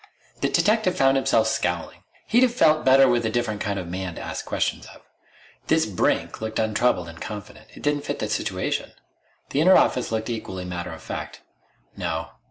The detective found himself scowling. He'd have felt better with a different kind of man to ask questions of. This Brink looked untroubled and confident. It didn't fit the situation. The inner office looked equally matter of fact. No....